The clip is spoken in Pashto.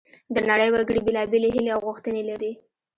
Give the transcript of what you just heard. د نړۍ وګړي بیلابیلې هیلې او غوښتنې لري